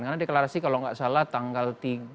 karena deklarasi kalau gak salah tanggal tiga